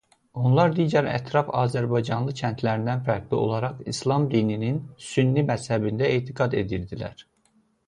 Onlar digər ətraf azərbaycanlı kəndlərindən fərqli olaraq islam dininin sünni məzhəbində etiqad edirdilər.